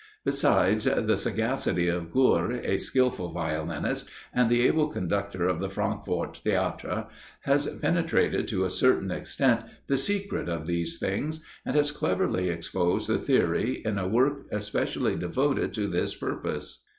Besides, the sagacity of Guhr, a skilful violinist, and the able conductor of the Frankfort Theatre, has penetrated, to a certain extent, the secret of these things, and has cleverly exposed the theory in a work especially devoted to this purpose.